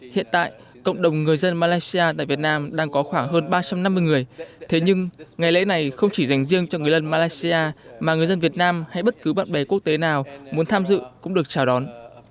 hiện tại cộng đồng người dân malaysia tại việt nam đang có khoảng hơn ba trăm năm mươi người thế nhưng ngày lễ này không chỉ dành riêng cho người dân malaysia mà người dân việt nam hay bất cứ bạn bè quốc tế nào muốn tham dự cũng được chào đón